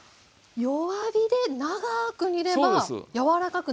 弱火で長く煮れば柔らかくなるんですね。